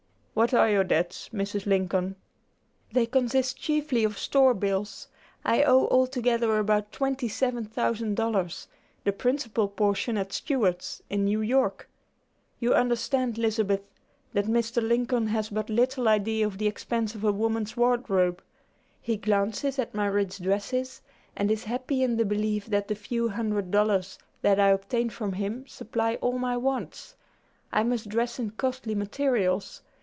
"What are your debts, Mrs. Lincoln?" "They consist chiefly of store bills. I owe altogether about twenty seven thousand dollars; the principal portion at Stewart's, in New York. You understand, Lizabeth, that Mr. Lincoln has but little idea of the expense of a woman's wardrobe. He glances at my rich dresses, and is happy in the belief that the few hundred dollars that I obtain from him supply all my wants. I must dress in costly materials.